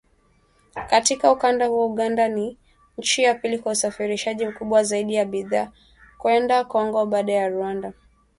Katika ukanda huo Uganda ni nchi ya pili kwa usafirishaji mkubwa zaidi wa bidhaa kwenda Kongo baada ya Rwanda